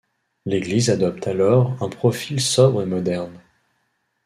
L'église adopte alors un profil sobre et moderne.